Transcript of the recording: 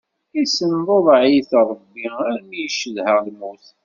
Issenḍuḍeɛ-it Ṛebbi armi iccedha lmut.